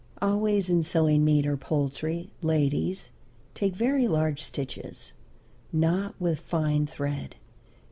Always in sewing meat or poultry, ladies, take very large stitches, not with fine thread.